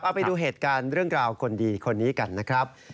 เอาไปดูเหตุการณ์เรื่องราวคนดีคนนี้กันนะครับ